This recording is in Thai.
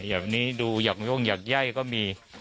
อย่างนี้ดูหยักโย่งหยักไย้ก็มี